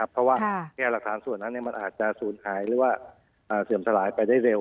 เพราะว่าแก้หลักฐานส่วนนั้นมันอาจจะสูญหายหรือว่าเสื่อมสลายไปได้เร็ว